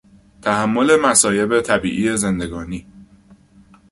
تحمل مصایب طبیعی زندگانی